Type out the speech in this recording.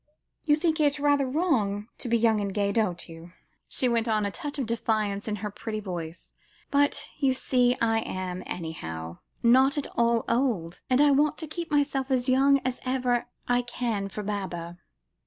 "You think it rather wrong to be young and gay, don't you?" she went on, a touch of defiance in her pretty voice; "but, you see, I am anyhow not at all old and I want to keep myself as young as ever I can for Baba."